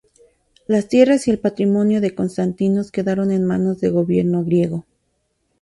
Las tierras y el patrimonio de Konstantinos quedaron en manos del gobierno griego.